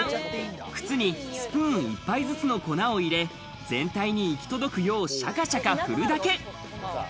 靴にスプーン一杯分の粉を入れ、全体に行き届くよう、シャカシャカ振るだけ。